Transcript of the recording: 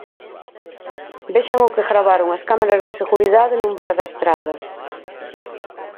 Vexan o que gravaron as cámaras de seguridade nun bar da Estrada.